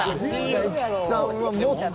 大吉さんはもっと。